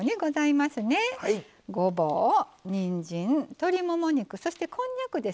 ごぼう、にんじん、鶏もも肉そして、こんにゃくです。